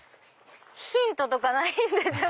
ヒントとかないんですもんね。